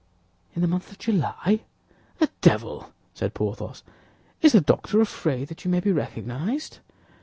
"In the month of July? The devil!" said Porthos. "Is the doctor afraid that you may be recognized?"